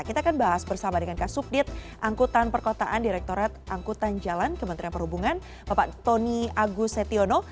kita akan bahas bersama dengan kasubdit angkutan perkotaan direkturat angkutan jalan kementerian perhubungan bapak tony agus setiono